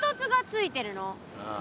ああ。